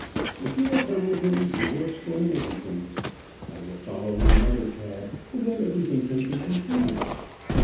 If you will come with him, he will explain everything. I will follow in another cab, and then everything can be completed."